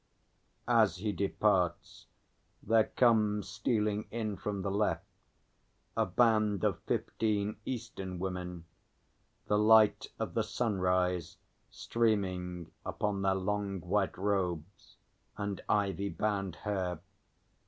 [_As he departs, there comes stealing in from the left a band of fifteen Eastern Women, the light of the sunrise streaming upon their long white robes and ivy bound hair.